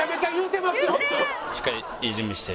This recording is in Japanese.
しっかり良い準備して。